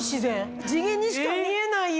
地毛にしか見えないよ！